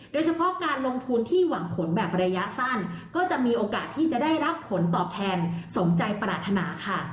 โดยเฉพาะการลงทุนที่หวังผลแบบระยะสั้นก็จะมีโอกาสที่จะได้รับผลตอบแทนสมใจปรารถนาค่ะ